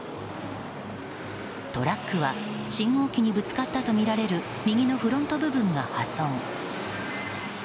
トラックは信号機にぶつかったとみられる右のフロント部分が破損。